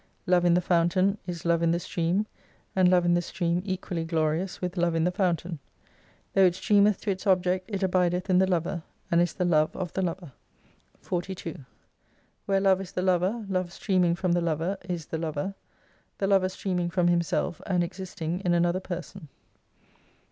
Love in the fountain is love in the stream, and love in the stream equally glorious with love in the fountain. Though it streameth to its object it abideth in the lover, and is the love of the lover. 42 Where Love is the Lover, Love streaming from the Lover, is the Lover ; the Lover streaming from himself, and existing in another Person.